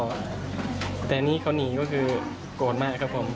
แต่อย่างนี้เขานีก็คือกโกรธมากครับผม